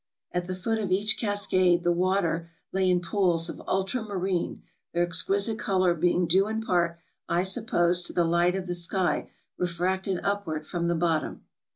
At the foot of each cascade the water lay in pools of ultra marine, their exquisite color being due, in part, I suppose, to the light of the sky refracted upward from the bottom.